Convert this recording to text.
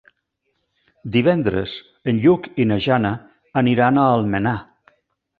Divendres en Lluc i na Jana aniran a Almenar.